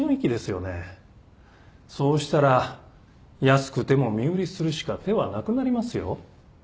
そうしたら安くても身売りするしか手はなくなりますよ？